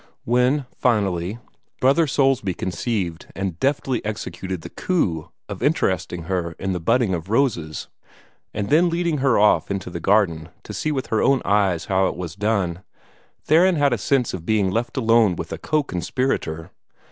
When, finally, Brother Soulsby conceived and deftly executed the coup of interesting her in the budding of roses, and then leading her off into the garden to see with her own eyes how it was done, Theron had a sense of being left alone with a conspirator.